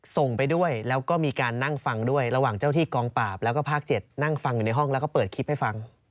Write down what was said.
ส่งไปด้วยแล้วก็มีการนั่งฟังด้วยระหว่างเจ้าที่กองปราบแล้วก็ภาค๗นั่งฟังอยู่ในห้องแล้วก็เปิดคลิปให้ฟัง